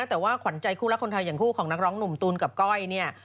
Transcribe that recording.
แต่ว่าขวัญใจคู่รักคนไทยอย่างคู่ของนักร้องหนุ่มตูนกับก้อยเนี่ย